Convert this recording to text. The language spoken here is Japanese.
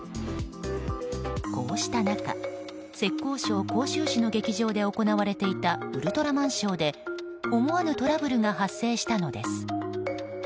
こうした中、浙江省湖州市の劇場で行われていたウルトラマンショーで思わぬトラブルが発生したのです。